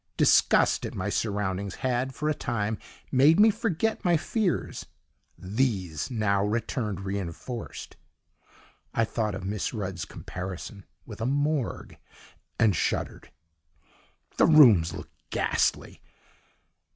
Disgust at my surroundings had, for a time, made me forget my fears; these now returned reinforced: I thought of Miss Rudd's comparison with a morgue and shuddered. The rooms looked ghastly!